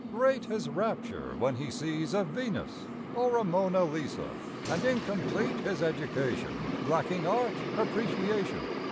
Great his rapture when he sees a Venus or a Mona Lisa; And incomplete his education Lacking Art Appreciation.